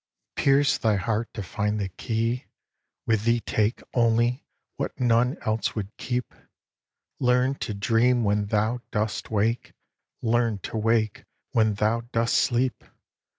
"Pierce thy heart to find the key; With thee take Only what none else would keep; Learn to dream when thou dost wake, Learn to wake when thou dost sleep.